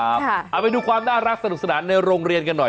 เอาไปดูความน่ารักสนุกสนานในโรงเรียนกันหน่อย